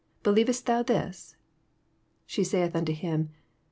Be lievest thou this 7 27 She saith unto him.